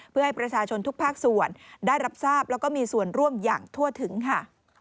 เพื่อให้ประชาชนทุกภาคส่วนได้รับทราบแล้วก็มีส่วนร่วมอย่างทั่วถึงค่ะ